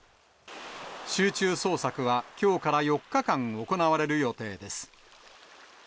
集中捜索はきょうから４日間行われる予定です。